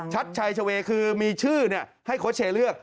ชัดชัยชเวย์คือมีชื่อให้โค้ชเชย์เลือก